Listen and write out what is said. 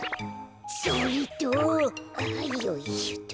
それとああよいしょと。